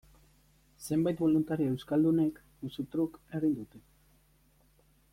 Zenbait boluntario euskaldunek, musu truk, egin dute.